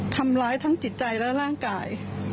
ทำร้ายทั้งจิตใจและร่างกาย